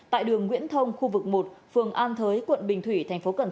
tại đường nguyễn thông khu vực một phường an thới quận bình thủy tp cn